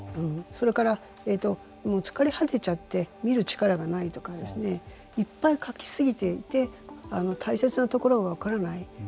それから、疲れ果てちゃって見る力がないとかいっぱい書き過ぎていて大切なところが分からない。